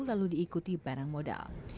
lalu diikuti barang modal